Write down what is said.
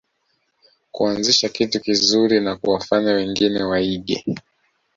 Kuanzisha kitu kizuri na kuwafanya wengine waige